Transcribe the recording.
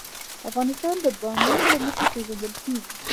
افغانستان د بامیان له مخې پېژندل کېږي.